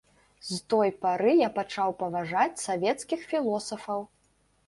З той пары я пачаў паважаць савецкіх філосафаў.